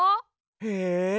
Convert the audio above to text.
へえ！